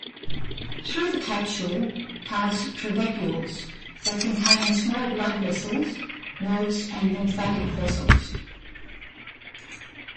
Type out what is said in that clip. Through the capsule pass trabecules that contain small blood vessels, nerves and lymphatic vessels.